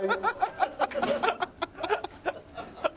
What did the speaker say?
ハハハハ！